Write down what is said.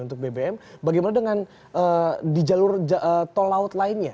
untuk bbm bagaimana dengan di jalur tol laut lainnya